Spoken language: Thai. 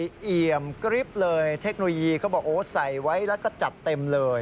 เอี่ยมกริ๊บเลยเทคโนโลยีเขาบอกโอ้ใส่ไว้แล้วก็จัดเต็มเลย